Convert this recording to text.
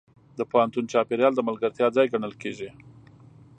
د پوهنتون چاپېریال د ملګرتیا ځای ګڼل کېږي.